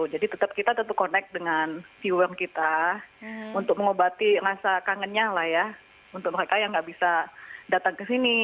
jadi tetap kita tetap connect dengan viewer kita untuk mengobati rasa kangennya lah ya untuk mereka yang nggak bisa datang kesini